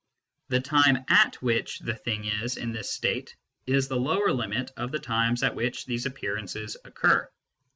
The time at which the " thing " is in this state is the lower limit of the times at which these appearances occur.